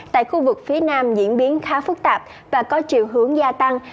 tại khu vực phía nam diễn biến khá phức tạp và có chiều hướng gia tăng